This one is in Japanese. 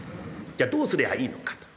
じゃあどうすりゃあいいのかと。